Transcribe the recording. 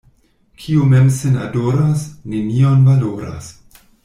Kiu mem sin adoras, nenion valoras.